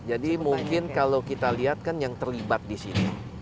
jadi mungkin kalau kita lihat kan yang terlibat disini